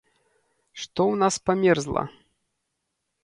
Што ў нас памерзла?